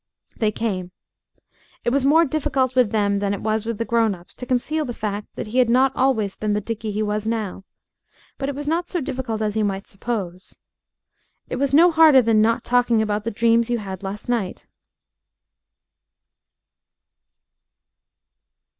They came. It was more difficult with them than it was with the grown ups to conceal the fact that he had not always been the Dickie he was now; but it was not so difficult as you might suppose. It was no harder than not talking about the dreams you had last night.